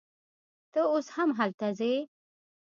ته اوس هم هلته ځې